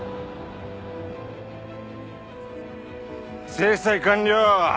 制裁完了！